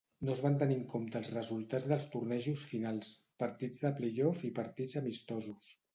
No es van tenir en compte els resultats dels tornejos finals, partits de play-off i partits amistosos.